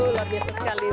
luar biasa sekali